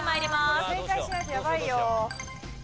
これ正解しないとやばいよ。